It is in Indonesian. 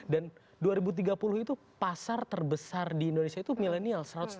dan dua ribu tiga puluh itu pasar terbesar di indonesia itu millenial